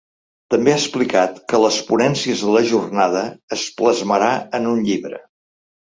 També ha explicat que les ponències de la jornada es plasmarà en un llibre.